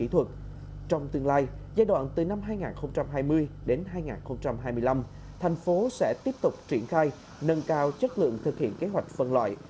trong tương lai giai đoạn từ năm hai nghìn hai mươi đến hai nghìn hai mươi năm thành phố sẽ tiếp tục triển khai nâng cao chất lượng thực hiện kế hoạch phân loại